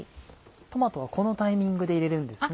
トマトはこのタイミングで入れるんですね。